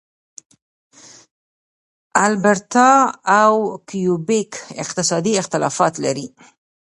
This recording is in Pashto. البرټا او کیوبیک اقتصادي اختلافات لري.